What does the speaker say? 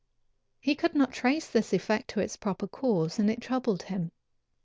He could not trace this effect to its proper cause and it troubled him.